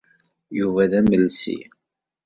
Yuba d amelsi.